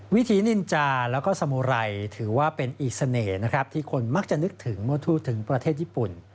หินินจาแล้วก็สมุไรถือว่าเป็นอีกเสน่ห์นะครับที่คนมักจะนึกถึงเมื่อทูตถึงประเทศญี่ปุ่น